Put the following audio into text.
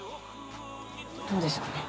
どうでしょうね。